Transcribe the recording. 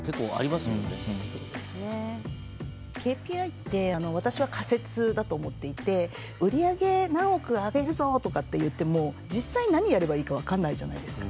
ＫＰＩって私は仮説だと思っていて売り上げ何億上げるぞ！とかっていっても実際何やればいいか分かんないじゃないですか。